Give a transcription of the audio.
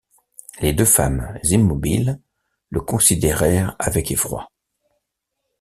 Les deux femmes, immobiles, le considérèrent avec effroi.